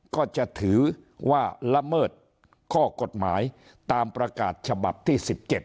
ก็จะถือว่าละเมิดข้อกฎหมายตามประกาศฉบับที่๑๗